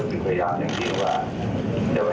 สวัสดีครับ